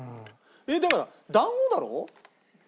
だから団子だろ？